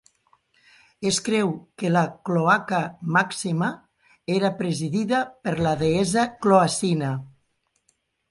Es creu que la Cloaca Maxima era presidida per la deessa Cloacina.